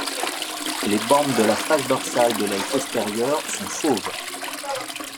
Les bandes de la face dorsale de l'aile postérieure sont fauves.